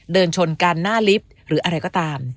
เดินชนกันหน้าลิฟต์หรืออะไรก็ตาม